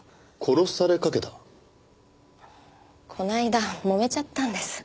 この間揉めちゃったんです。